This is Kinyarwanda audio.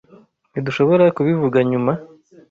Ntidushobora kubivuga nyuma?